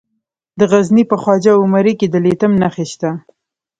د غزني په خواجه عمري کې د لیتیم نښې شته.